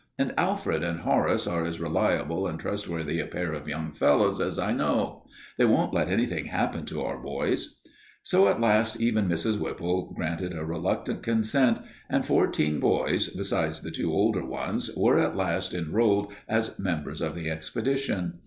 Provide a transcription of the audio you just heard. And Alfred and Horace are as reliable and trustworthy a pair of young fellows as I know. They won't let anything happen to our boys." So at last even Mrs. Whipple granted a reluctant consent, and fourteen boys, besides the two older ones, were at last enrolled as members of the expedition.